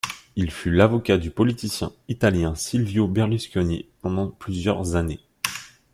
Il fut l'avocat du politicien italien Silvio Berlusconi pendant plusieurs années.